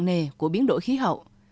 nề của biến đổi khí hậu